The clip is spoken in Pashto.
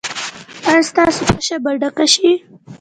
ایا ستاسو تشه به ډکه شي؟